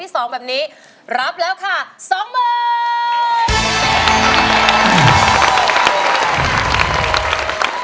ร้องได้ไอ้ล้าง